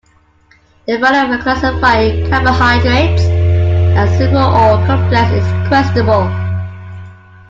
The value of classifying carbohydrates as simple or complex is questionable.